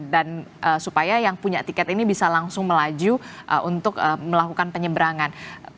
dan supaya yang punya tiket ini bisa langsung melaju untuk melakukan penyeberangan